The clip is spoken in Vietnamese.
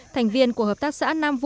thành viên của hợp tác xã nam vũ